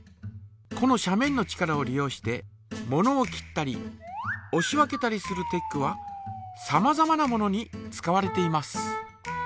この斜面の力を利用してものを切ったりおし分けたりするテックはさまざまなものに使われています。